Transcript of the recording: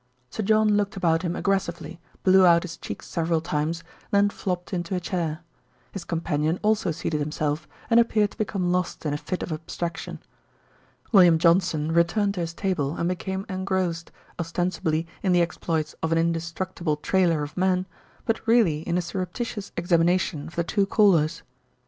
Sir John looked about him aggressively, blew out his cheeks several times, then flopped into a chair. His companion also seated himself, and appeared to become lost in a fit of abstraction. William Johnson returned to his table and became engrossed, ostensibly in the exploits of an indestructible trailer of men; but really in a surreptitious examination of the two callers.